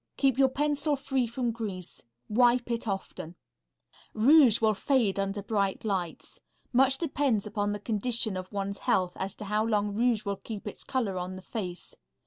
Keep your pencil free from grease. Wipe it often. Rouge will fade under bright lights. Much depends upon the condition of one's health as to how long rouge will keep its color on the face.